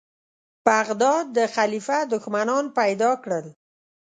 بغداد د خلیفه دښمنان پیدا کړل.